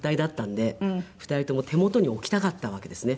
２人共手元に置きたかったわけですね。